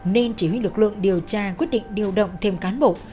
nên chỉ huy lực lượng điều tra quyết định điều động thêm cán bộ